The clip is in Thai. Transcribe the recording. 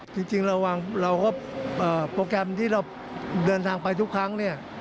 จริงระวังโปรแกรมที่เราเดินทางไปทุกครั้ง